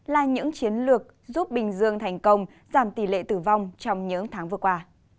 là những chiến lược giúp bình dương thành công giảm tỷ lệ tử vong trong những tháng vừa qua